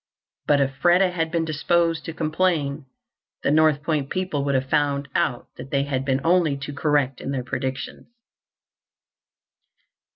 But if Freda had been disposed to complain, the North Point people would have found out that they had been only too correct in their predictions.